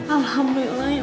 alhamdulillah ya ampun